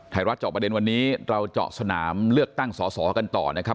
เจาะประเด็นวันนี้เราเจาะสนามเลือกตั้งสอสอกันต่อนะครับ